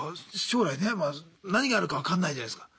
将来ねまあ何があるか分かんないじゃないすか。